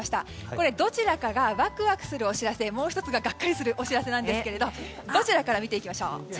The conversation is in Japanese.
これ、どちらかがワクワクするお知らせでもう１つががっかりするお知らせなんですがどちらから見ましょう？